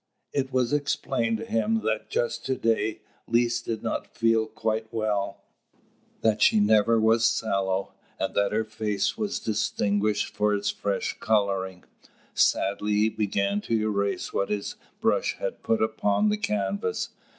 It was explained to him that just to day Lise did not feel quite well; that she never was sallow, and that her face was distinguished for its fresh colouring. Sadly he began to erase what his brush had put upon the canvas.